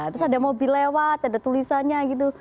terus ada mobil lewat ada tulisannya gitu